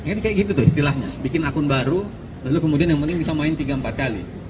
ini kayak gitu tuh istilahnya bikin akun baru lalu kemudian yang penting bisa main tiga empat kali